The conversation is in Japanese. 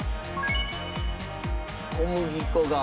小麦粉が。